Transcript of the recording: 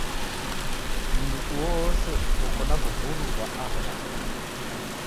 Mndu uoose oko na w'uhuru ghwa aho andu.